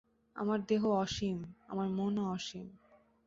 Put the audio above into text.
আমার দেহ অসীম, আমার মনও অসীম।